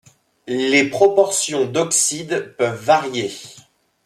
Les proportions d'oxydes peuvent varier.